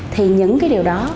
thì những cái điều đó